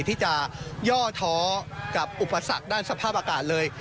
ที่จะย่อท้อกับอุปสรรคด้านสภาพอากาศเลย